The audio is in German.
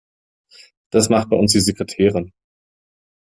Das macht bei uns die Sekretärin.